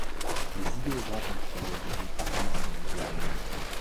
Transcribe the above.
Les idéogrammes ont été réalisés par Li Zhongyao.